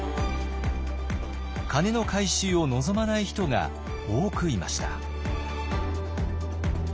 鐘の回収を望まない人が多くいました。